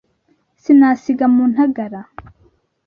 Sinasiga mu ntagara